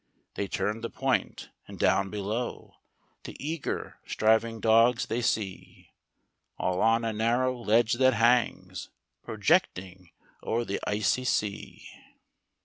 They turn the point, and down below The eager, striving dogs they see, All on a narrow ledge that hangs Projecting o'er the icy sea.